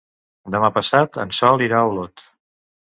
Demà passat en Sol irà a Olot.